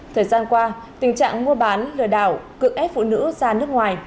thời gian qua tình trạng mua bán lừa đảo cự ép phụ nữ ra nước ngoài